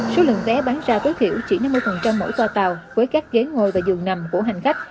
số lượng vé bán ra tối thiểu chỉ năm mươi mỗi toa tàu với các ghế ngồi và giường nằm của hành khách